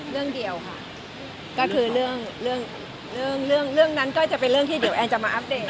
เรื่องเดียวค่ะก็คือเรื่องเรื่องเรื่องเรื่องเรื่องนั้นก็จะเป็นเรื่องที่เดี๋ยวแอ้นจะมาอัปเดต